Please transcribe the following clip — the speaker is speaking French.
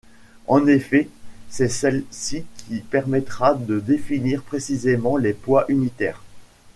En effet c’est celle-ci qui permettra de définir précisément les poids unitaires.